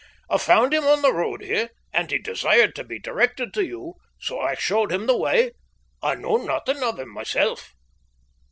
"I found him on the road here, and he desired to be directed to you, so I showed him the way. I know nothing of him myself."